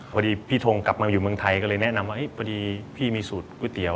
พอดีพี่ทงกลับมาอยู่เมืองไทยก็เลยแนะนำว่าพอดีพี่มีสูตรก๋วยเตี๋ย